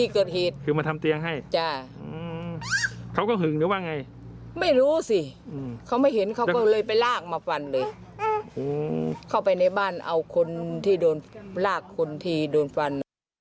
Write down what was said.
เข้าไปในบ้านเอาคนที่โดนลากคนที่โดนฟัน